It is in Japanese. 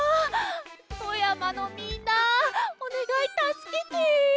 富山のみんなおねがいたすけて。